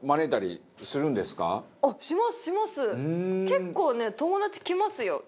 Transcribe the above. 結構ね友達来ますよ。